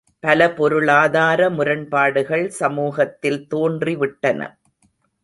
பல பொருளாதார முரண்பாடுகள் சமூகத்தில் தோன்றிவிட்டன.